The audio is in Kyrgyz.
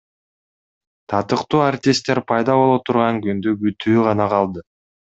Татыктуу артисттер пайда боло турган күндү күтүү гана калды.